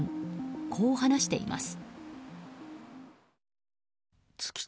こう話しています。